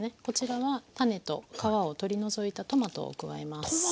こちらは種と皮を取り除いたトマトを加えます。